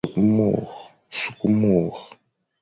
Sukh môr.